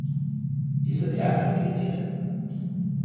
Dies sind ehrgeizige Ziele.